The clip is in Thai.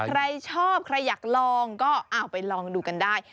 ใครชอบใครอยากลองก็เอาไปลองดูกันได้